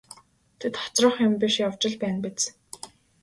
Тэд хоцрох юм биш явж л байна биз.